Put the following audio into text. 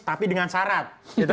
tapi dengan syarat